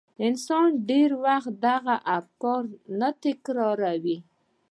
انسان ډېر وخت دغه افکار نه تکراروي.